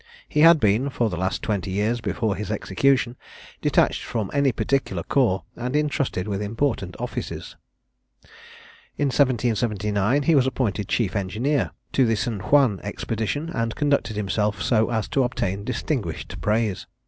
He had been, for the last twenty years before his execution, detached from any particular corps, and intrusted with important offices. In 1779, he was appointed chief engineer to the St. Juan expedition, and conducted himself so as to obtain distinguished praise.